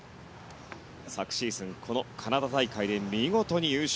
昨シーズン、このカナダ大会で見事に優勝。